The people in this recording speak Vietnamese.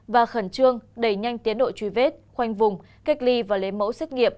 và khẩn trương đẩy nhanh tiến độ truy vết khoanh vùng cách ly và lấy mẫu xét nghiệm